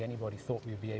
orang orang berpikir bisa